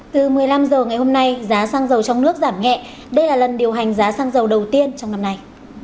từ một mươi năm h ngày hôm nay giá xăng dầu trong nước giảm nhẹ đây là lần điều hành giá xăng dầu đầu tiên trong năm nay